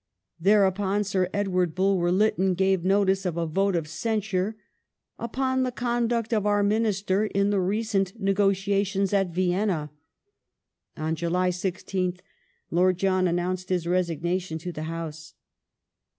Thereupon Sir E. Bulwer Lytton gave notice of a vote of censure upon the conduct of our Minister in the recent negotiations at Vienna," and on July 16th I^rd John an nounced his resignation to the House.